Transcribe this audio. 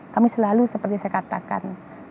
kami selalu seperti saya katakan